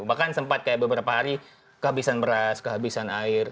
bahkan sempat kayak beberapa hari kehabisan beras kehabisan air